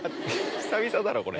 久々だなこれ。